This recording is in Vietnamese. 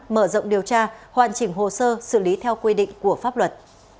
mở rộng điều tra hoàn chỉnh hồ sơ xử lý theo quy định của pháp luật